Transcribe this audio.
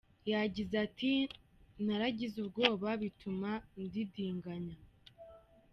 Yagize ati: "Naragize ubwoba bituma ndidinganya.